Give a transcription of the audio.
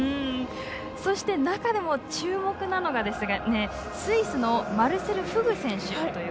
そして、中でも注目なのがスイスのマルセル・フグ選手。